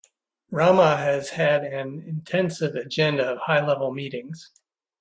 Rama has had an intensive agenda of high level meetings.